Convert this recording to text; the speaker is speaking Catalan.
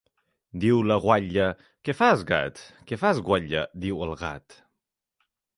Diu la guatlla: Què fas, gat? Què fas, guatlla?, diu el gat.